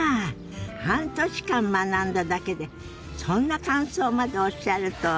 半年間学んだだけでそんな感想までおっしゃるとは。